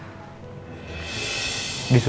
jadi kebetulan kita bertiga disuruh